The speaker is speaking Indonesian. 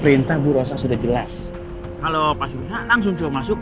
perintah bu rosa sudah jelas kalau pasien bisa langsung coba masuk